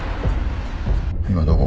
今どこ？